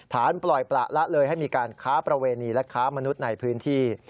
ฐานปล่อยประละเลยให้มีการค้าประเวณีและค้ามนุษย์ในพื้นที่